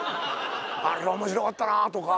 あれは面白かったなとか。